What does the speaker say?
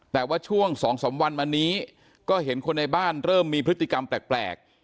แต่ว่าช่วง๒๓วันมานี้ก็เห็นคนในบ้านเริ่มมีพฤติกรรมแปลก